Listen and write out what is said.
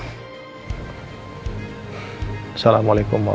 waalaikumsalam warahmatullahi wabarakatuh